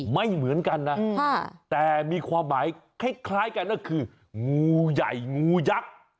ไม่เหมือนกันนะแต่มีความหมายคล้ายกันก็คืองูใหญ่งูยักษ์